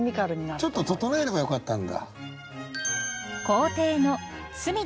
ちょっと整えればよかったんだ。